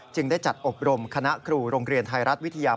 ได้จัดอบรมคณะครูโรงเรียนไทยรัฐวิทยา